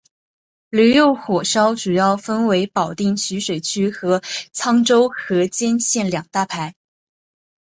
驴肉火烧主要分为保定徐水区和沧州河间县两大派。